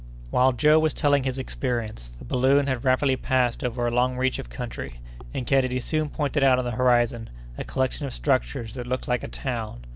While Joe was telling his experience, the balloon had rapidly passed over a long reach of country, and Kennedy soon pointed out on the horizon a collection of structures that looked like a town.